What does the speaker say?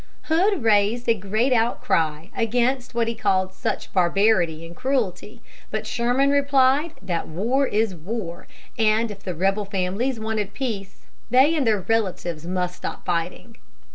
Hood raised a great outcry against what he called such barbarity and cruelty, but Sherman replied that war is war, and if the rebel families wanted peace they and their relatives must stop fighting.